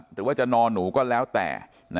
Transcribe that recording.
หรือว่าจะนอนหนูก็แล้วแต่